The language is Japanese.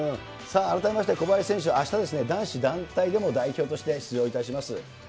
さあ、改めまして、小林選手、あした団体での代表として出場いたします。